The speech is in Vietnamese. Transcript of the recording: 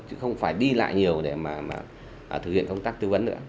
chứ không phải đi lại nhiều để mà thực hiện công tác tư vấn nữa